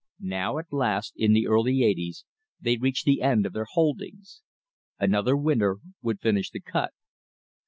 Now at last, in the early eighties, they reached the end of their holdings. Another winter would finish the cut.